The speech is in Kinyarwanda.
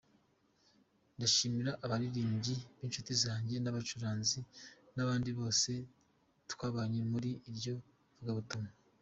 Ndashimira abaririmbyi b’inshuti zanjye n’abacuranzi n’abandi bose twabanye muri iryo vugabutumwa.